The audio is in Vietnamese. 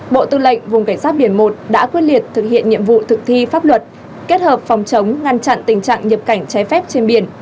bộ tư lệnh vùng cảnh sát biển một đã quyết liệt thực hiện nhiệm vụ thực thi pháp luật kết hợp phòng chống ngăn chặn tình trạng nhập cảnh trái phép trên biển